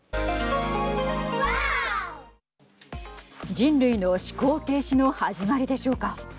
人類の思考停止の始まりでしょうか。